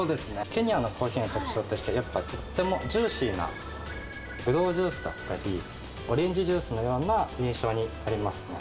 ケニアのコーヒーの特徴として、やっぱとってもジューシーな、ぶどうジュースだったり、オレンジジュースのような印象になりますね。